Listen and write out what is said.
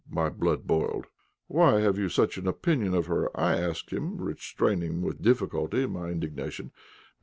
My blood boiled. "Why have you such an opinion of her?" I asked him, restraining with difficulty my indignation.